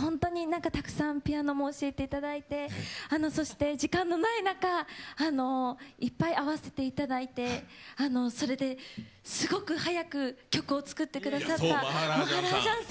本当にたくさんピアノも教えていただいてそして時間のない中いっぱい合わせていただいてそれで、すごく早く曲を作ってくださったマハラージャンさん。